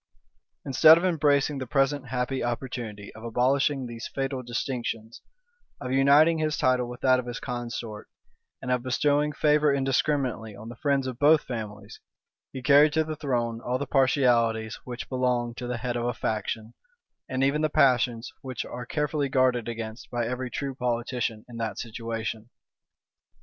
Instead of embracing the present happy opportunity of abolishing these fatal distinctions, of uniting his title with that of his consort, and of bestowing favor indiscriminately on the friends of both families, he carried to the throne all the partialities which belong to the head of a faction, and even the passions which are carefully guarded against by every true politician in that situation.